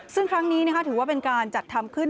ซึ่งครั้งนี้ถือว่าเป็นการจัดทำขึ้น